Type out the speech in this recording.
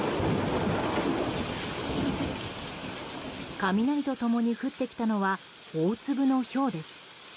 雷と共に降ってきたのは大粒のひょうです。